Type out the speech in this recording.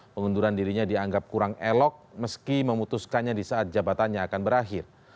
pengunduran dirinya dianggap kurang elok meski memutuskannya di saat jabatannya akan berakhir